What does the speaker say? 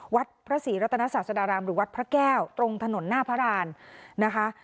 วัดพระศรีรัตนศาสดารามหรือวัดพระแก้วตรงถนนหน้าพระราณนะคะ